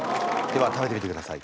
では食べてみてください。